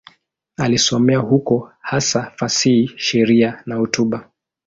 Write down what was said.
Alisomea huko, hasa fasihi, sheria na hotuba.